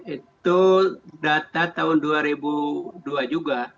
itu data tahun dua ribu dua juga